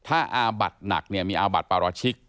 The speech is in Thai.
อาบัดหนักมีอาบัดปราชิก